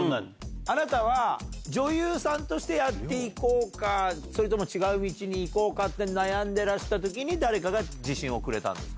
あなたは女優さんとしてやって行こうかそれとも違う道に行こうかって悩んでらした時に誰かが自信をくれたんですか？